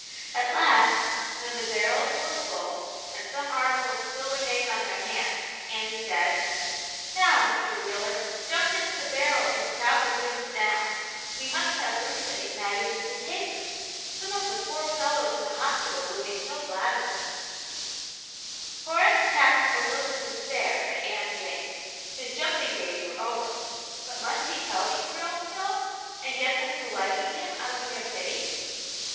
At last, when the barrels were full, and some articles still remained on their hands, Annie said :—Now, Mr. Wheeler, jump into the barrels and crowd the things down : we must have room for these magazines and papers : some of the poor fellows in the hospital will be so glad oi iVv^m^ Aunt Jane's Hero. 67 • Horace cast a look of despair at Aunt Jane : his jumping days were over: but* must he tell these girls so, and get them to liking him out of mere pity